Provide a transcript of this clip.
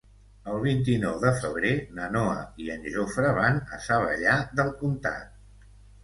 El vint-i-nou de febrer na Noa i en Jofre van a Savallà del Comtat.